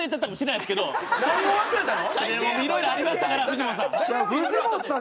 いろいろありましたから藤本さん。